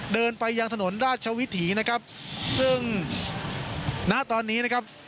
เดินไปยังถนนราชวิถีนะครับซึ่งณตอนนี้นะครับ